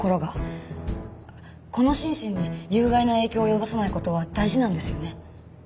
子の心身に有害な影響を及ぼさない事は大事なんですよね？